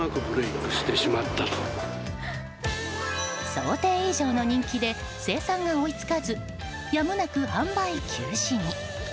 想定以上の人気で生産が追い付かずやむなく販売休止に。